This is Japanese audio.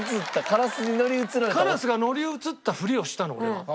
カラスが乗り移ったふりをしたの俺は。